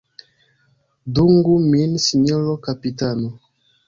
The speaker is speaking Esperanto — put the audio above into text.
Dungu min sinjoro kapitano!